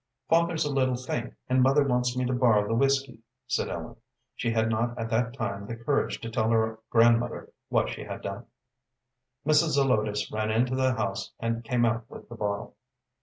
"Father's a little faint, and mother wants me to borrow the whiskey," said Ellen. She had not at that time the courage to tell her grandmother what she had done. Mrs. Zelotes ran into the house, and came out with the bottle.